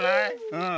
うん。